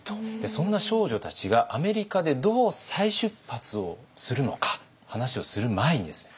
そんな少女たちがアメリカでどう再出発をするのか話をする前にですね